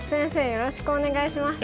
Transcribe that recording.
よろしくお願いします。